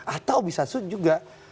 atau bisa juga